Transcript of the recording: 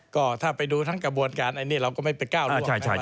ก็ถ้าไปดูทั้งกระบวนการอันนี้เราก็ไม่ไปก้าวนะ